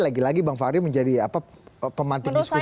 lagi lagi bang fahri menjadi pemantin diskusi kita hari ini